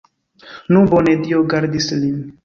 Nu, bone, Dio gardis lin!